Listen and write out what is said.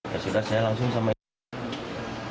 ya sudah saya langsung sama ibu